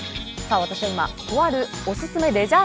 私は今、とあるおすすめレジャー